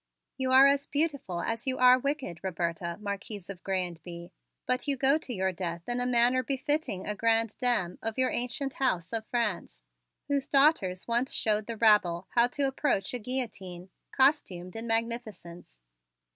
"You are as beautiful as you are wicked, Roberta, Marquise of Grez and Bye, but you go to your death in a manner befitting a grande dame of your ancient house of France, whose daughters once showed the rabble how to approach a guillotine, costumed in magnificence.